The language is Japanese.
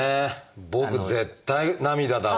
僕絶対涙だわ。